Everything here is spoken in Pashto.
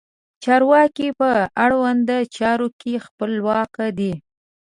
چارواکي په اړونده چارو کې خپلواک دي.